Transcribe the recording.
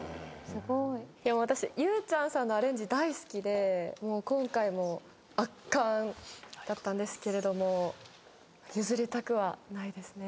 私ゆうちゃんさんのアレンジ大好きで今回も圧巻だったんですけれども譲りたくはないですね。